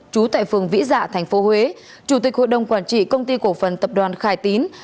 trú tại phường vĩ dạ tp huế chủ tịch hội đồng quản trị công ty cổ phần tập đoàn khải tín